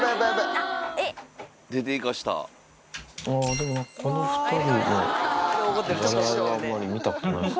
でもこの２人のじゃれ合いはあんまり見たことないっすね。